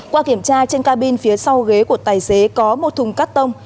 qua kiểm tra trên cabin phía sau ghế của tài xế có một thùng cắt tông